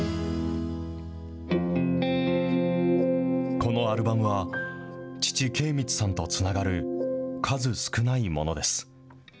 このアルバムは、父、敬光さんとつながる数少ないものです。